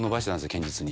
堅実に。